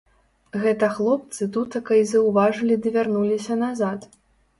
Гэта хлопцы тутака й заўважылі ды вярнуліся назад.